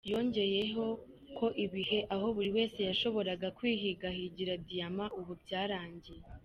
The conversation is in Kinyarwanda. Yongeyeho ko ibihe aho buri wese yashoboraga kwihigahigira diyama ubu byarangiye.